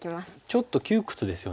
ちょっと窮屈ですよね。